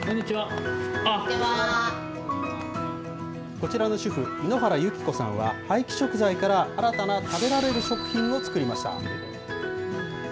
こちらの主婦、猪原有紀子さんは、廃棄食材から新たな食べられる食品を作りました。